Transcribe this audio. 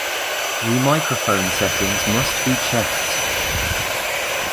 The microphone settings must be checked.